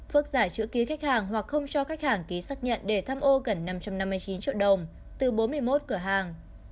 phước giải chữ ký khách hàng hoặc không cho khách hàng ký xác nhận để tham ô gần năm trăm năm mươi chín triệu đồng từ bốn mươi một cửa hàng